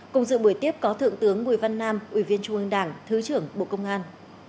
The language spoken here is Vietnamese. cùng dự buổi tiếp có thượng tướng bùi văn nam ủy viên trung ương đảng thứ trưởng bộ công an